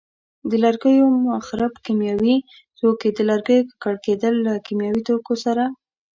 د لرګیو مخرب کیمیاوي توکي: د لرګیو ککړ کېدل له کیمیاوي توکو سره.